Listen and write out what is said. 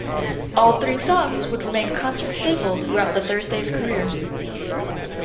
All three songs would remain concert staples throughout the Thursday's career.